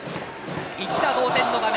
一打同点の場面。